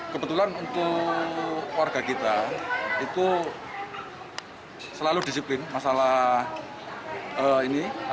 kebetulan untuk warga kita itu selalu disiplin masalah ini